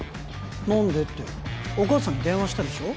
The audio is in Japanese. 何でってお母さんに電話したでしょ？